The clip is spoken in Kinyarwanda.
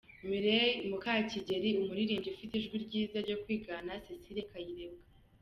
Mireille Mukakigeli umuririmbyi ufite ijwi ryiza ryo kwigana Cecile Kayirebwa.